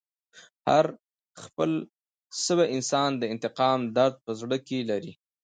هر خپل سوی انسان د انتقام درد په زړه کښي لري.